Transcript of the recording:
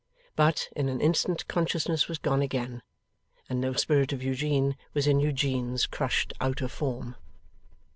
But, in an instant consciousness was gone again, and no spirit of Eugene was in Eugene's crushed outer form.